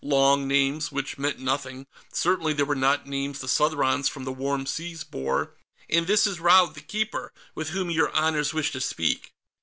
Long names, which meant nothing; certainly they were not names the Southrons from the Warm Seas bore. "And this is Raud the Keeper, with whom your honors wish to speak."